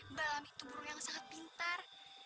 balam itu burung yang sangat pintar